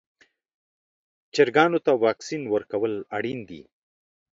چرګانو ته واکسین ورکول اړین دي.